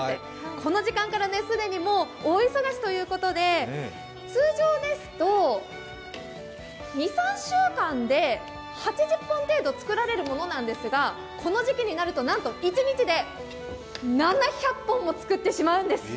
この時間から既に大忙しということで、通常ですと２３週間で８０本程度作られるものなんですが、この時期になると、なんと一日で７００本も作ってしまうんです。